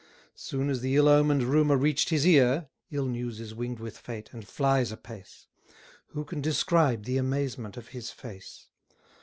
Soon as the ill omen'd rumour reach'd his ear, (Ill news is wing'd with fate, and flies apace,) Who can describe the amazement of his face!